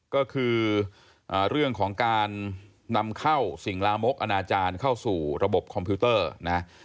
ก็คือเรื่องของการนำเข้าสิ่งลามกอนาจารย์เข้าสู่ระบบคอมพิวเตอร์นะ